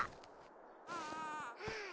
うん。